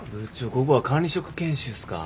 午後は管理職研修っすか。